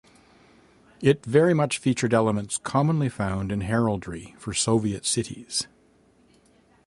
It very much featured elements commonly found in heraldry for Soviet cities.